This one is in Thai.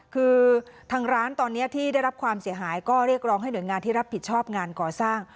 คือทางร้านตอนนี้ที่ได้รับความเสียหายก็เรียกร้องให้หน่วยงานที่รับผิดชอบงานก่อสร้าง